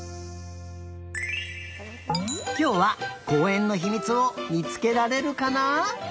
きょうはこうえんのひみつをみつけられるかな？